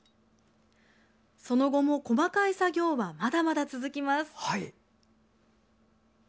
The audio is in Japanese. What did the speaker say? その後も細かい作業はまだまだ続きます。